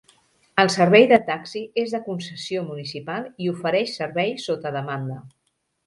El servei de Taxi és de concessió municipal i ofereix servei sota demanda.